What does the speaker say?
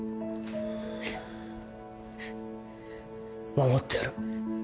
守ってやる。